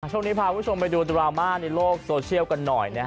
ช่วงนี้พาคุณผู้ชมไปดูดราม่าในโลกโซเชียลกันหน่อย